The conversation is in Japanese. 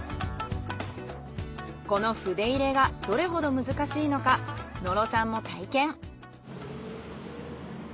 この筆入れがどれほど難しいのか野呂さんも体験。